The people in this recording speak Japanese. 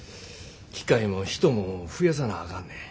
機械も人も増やさなあかんねん。